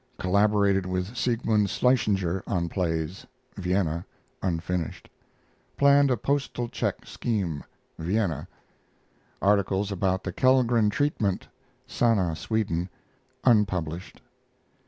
Collaborated with Siegmund Schlesinger on plays (Vienna) (unfinished). Planned a postal check scheme (Vienna). Articles about the Kellgren treatment (Sanna, Sweden) (unpublished).